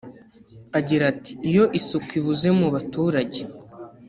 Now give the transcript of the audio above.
Agira ati “Iyo isuku ibuze mu baturage